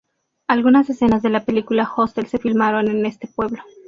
Algunas escenas de la película Hostel se filmaron en este pueblo.